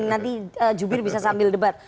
nanti jubir bisa sambil debat